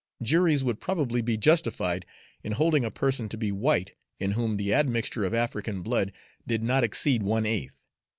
Juries would probably be justified in holding a person to be white in whom the admixture of African blood did not exceed one eighth.